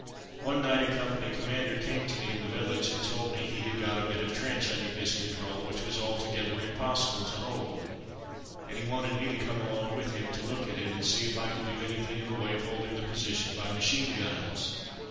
One night a company commander came to me in the village and told me he had got a bit of trench under his control which was altogether impossible to hold, and he wanted me to come along with him to look at it, and see if I could do anything in the way of holding the position by machine guns.